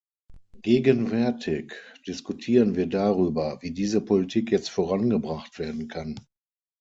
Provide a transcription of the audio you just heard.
Gegenwärtig diskutieren wir darüber, wie diese Politik jetzt vorangebracht werden kann.